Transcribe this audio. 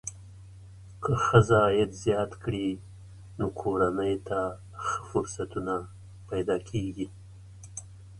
که ښځه عاید زیات کړي، نو کورنۍ ته ښه فرصتونه پیدا کېږي.